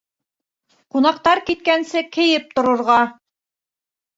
Ҡунаҡтар киткәнсе кейеп торорға.